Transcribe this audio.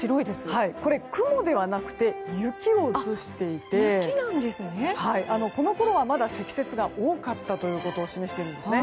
これは雲ではなくて雪を映していてこのころはまだ積雪が多かったということを示しています。